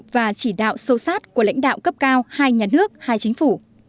và chỉ đạo sâu sát của lãnh đạo cấp cao hai nhà nước hai chính phủ